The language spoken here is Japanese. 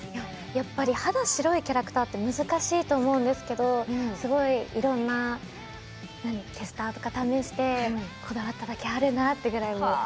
肌が白いキャラクターは難しいと思うんですけどすごい、いろんなテスターとか試してこだわっただけあるなっていう。